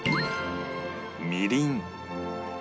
みりん